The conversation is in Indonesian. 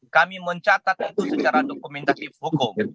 kami mencatat itu secara dokumentatif hukum